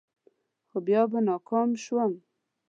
خو بیا به ناکام شوم.